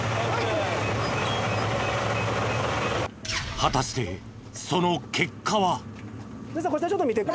果たしてその結果は。